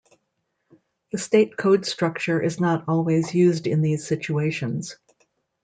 The state code structure is not always used in these situations.